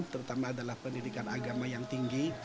terutama adalah pendidikan agama yang tinggi